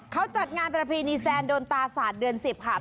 เค้าจัดงานประเพณีแซนโดนตาศัตริย์เวลาเดือน๑๐